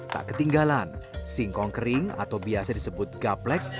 tak ketinggalan singkong kering atau biasa disebut gaplek